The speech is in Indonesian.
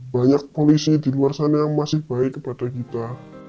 banyak polisi di luar sana yang masih baik kepada kita